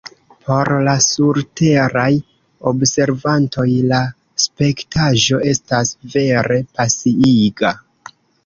Por la surteraj observantoj la spektaĵo estas vere pasiiga!